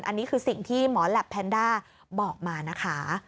อันนี้คือสิ่งที่หมอแหลปแพนด้าบอกมานะคะ